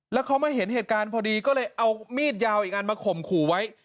แล้วเขามาเห็นเหตุการณ์พอดีก็เลยเอามีดยาวอีกอันมาข่มขู่ไว้